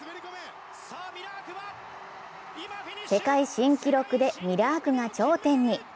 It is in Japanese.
世界新記録でミラークが頂点に。